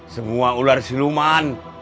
semua ular siluman